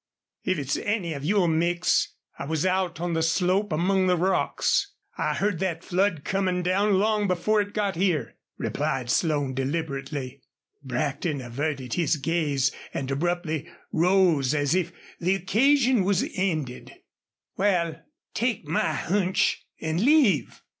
"If it's any of your mix, I was out on the slope among the rocks. I heard that flood comin' down long before it got here," replied Slone, deliberately. Brackton averted his gaze, and abruptly rose as if the occasion was ended. "Wal, take my hunch an' leave!"